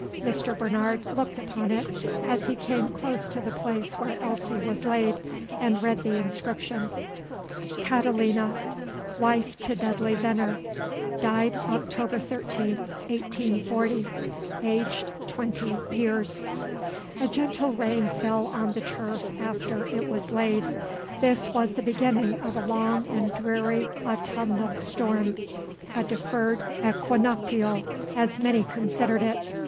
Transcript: Mr. Bernard looked upon it, as he came close to the place where Elsie was laid, and read the inscription, CATALINA WIFE TO DUDLEY VENNER DIED OCTOBER 13TH 1840 AGED XX YEARS A gentle rain fell on the turf after it was laid. This was the beginning of a long and dreary autumnal storm, a deferred "equinoctial," as many considered it.